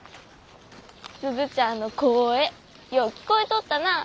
鈴ちゃんの声よう聞こえとったなあ。